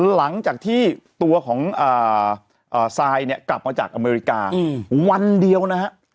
หลังจากที่ตัวของซายเนี่ยกลับมาจากอเมริกาวันเดียวนะฮะ